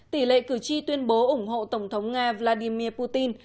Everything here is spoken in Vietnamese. tỷ lệ cử tri tuyên bố ủng hộ tổng thống nga vladimir putin